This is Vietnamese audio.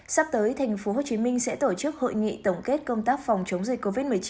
sắp tới tp hcm sẽ tổ chức hội nghị tổng kết công tác phòng chống dịch covid một mươi chín